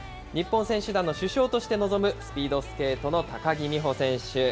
日本選手団の主将として臨むスピードスケートの高木美帆選手。